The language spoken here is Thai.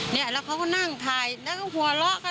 เนี่ยแล้วเขาก็นั่งถ่ายแล้วก็หัวเราะกัน